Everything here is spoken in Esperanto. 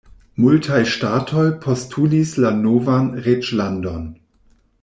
Multaj ŝtatoj postulis la novan reĝlandon.